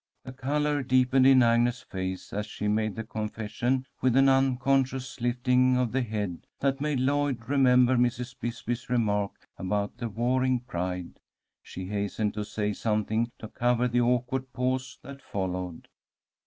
The colour deepened in Agnes's face as she made the confession, with an unconscious lifting of the head that made Lloyd remember Mrs. Bisbee's remark about the Waring pride. She hastened to say something to cover the awkward pause that followed.